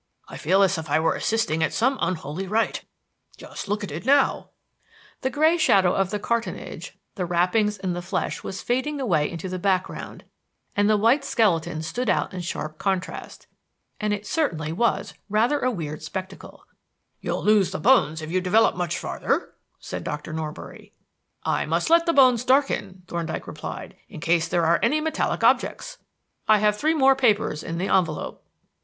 "I feel as if I were assisting at some unholy rite. Just look at it now!" The gray shadow of the cartonnage, the wrappings and the flesh was fading away into the background and the white skeleton stood out in sharp contrast. And it certainly was rather a weird spectacle. "You'll lose the bones if you develop much farther," said Dr. Norbury. "I must let the bones darken," Thorndyke replied, "in case there are any metallic objects. I have three more papers in the envelope."